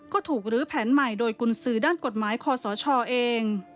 ก็ถูกลื้อแผนใหม่โดยกุญสือด้านกฎหมายคอสชเอง